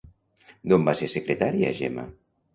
D'on va ser secretària Gemma?